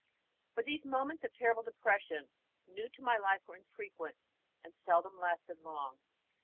But these moments of terrible depression, new to my life, were infrequent, and seldom lasted long.